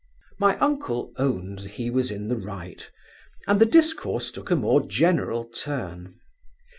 My uncle owned he was in the right, and the discourse took a more general turn.